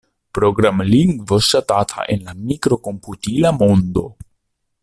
Programlingvo ŝatata en la mikrokomputila mondo.